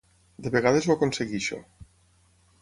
De vegades ho aconsegueixo.